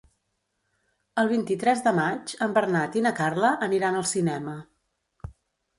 El vint-i-tres de maig en Bernat i na Carla aniran al cinema.